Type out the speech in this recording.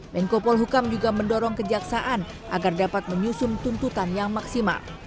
menko polhukam juga mendorong kejaksaan agar dapat menyusun tuntutan yang maksimal